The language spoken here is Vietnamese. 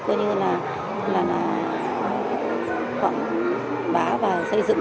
cũng như là khoảng bá và xây dựng